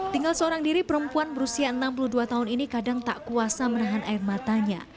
tinggal seorang diri perempuan berusia enam puluh dua tahun ini kadang tak kuasa menahan air matanya